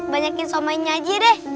banyakin somainya aja deh